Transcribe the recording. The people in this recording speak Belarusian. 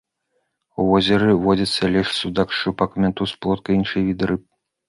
У возеры водзяцца лешч, судак, шчупак, мянтуз, плотка і іншыя віды рыб.